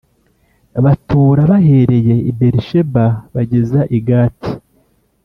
Batura bahereye i Beri Sheba bageza I gati